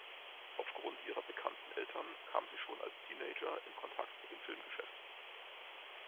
Aufgrund ihrer bekannten Eltern kam sie schon als Teenager in Kontakt mit dem Filmgeschäft.